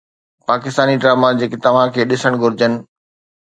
Pakistani drama جيڪي توهان کي ڏسڻ گهرجن